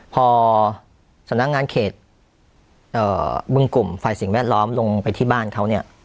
พอสำนักงานเขตบึงกลุ่มฝ่ายสิ่งแวดล้อมลงไปที่บ้านเขาเนี่ย